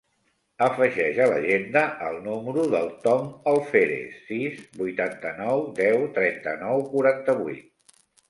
Afegeix a l'agenda el número del Tom Alferez: sis, vuitanta-nou, deu, trenta-nou, quaranta-vuit.